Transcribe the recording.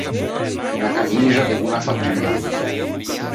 Unna camixa de boña fattua.